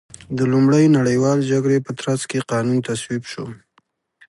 د لومړۍ نړیوالې جګړې په ترڅ کې قانون تصویب شو.